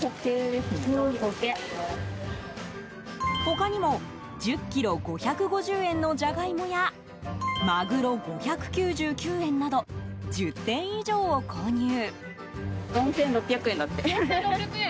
他にも、１０ｋｇ５５０円のジャガイモやマグロ、５９９円など１０点以上を購入。